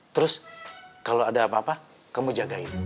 terus kalau ada apa apa kamu jagain